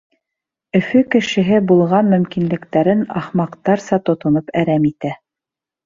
Өфө кешеһе булған мөмкинлектәрен ахмаҡтарса тотоноп әрәм итә.